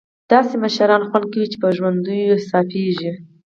داسې مشران خوند کوي چې په ژوندیو حسابېږي.